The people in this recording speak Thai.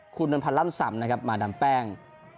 คุณบรรพลันธุ์ลัมศรรษณ์มาดำแป้ง